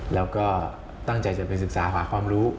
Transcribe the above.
แล้วก็ตั้งใจจะไปศึกษาหาความรู้